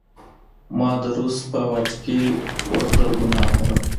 ما د روس په واډکې وکړل ګناهونه